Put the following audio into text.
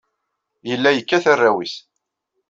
Yella yekkat arraw-nnes.